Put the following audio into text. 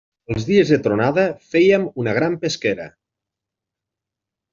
Els dies de tronada fèiem una gran pesquera.